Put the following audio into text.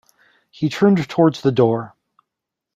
He turned towards the door.